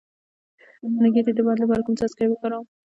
د ګیډې د باد لپاره کوم څاڅکي وکاروم؟